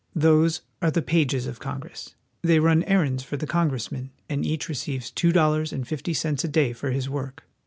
Those are the pages of Congress ; they run errands for the congressmen ; and each receives two dollars and fifty cents a day for his work.